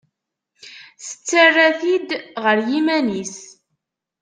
Tettara-t-id ɣer yiman-is.